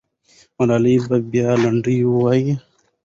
ملالۍ به بیا لنډۍ ووایي.